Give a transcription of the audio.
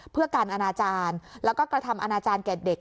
เพื่อการอนาจารย์แล้วก็กระทำอนาจารย์แก่เด็ก